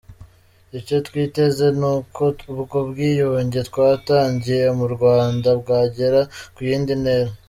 Icyo twiteze ni uko ubwo bwiyunge bwatangiye mu Rwanda bwagera ku yindi ntera.